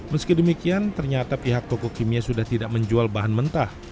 meski demikian ternyata pihak toko kimia sudah tidak menjual bahan mentah